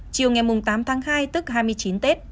chiều ngày tám tháng hai tức hai mươi chín tết